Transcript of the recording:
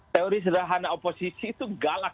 teori sederhana oposisi itu galak